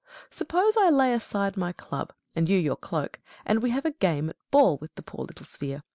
Suppose I lay aside my club, and you your cloak, and we have a game at ball with the poor little sphere.